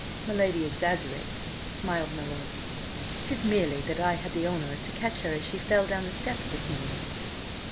"My lady exaggerates," smiled my lord "'Tis merely that I had the honour to catch her as she fell down the steps this morning."